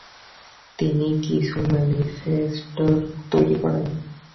তিনি কিছু ম্যানিফেস্টোর তৈরি করেন।